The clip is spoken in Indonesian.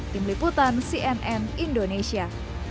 tim liputan cnn indonesia